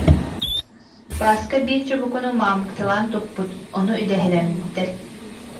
Бааска биир чубукуну маамыкталаан туппут, ону идэһэлэммиттэр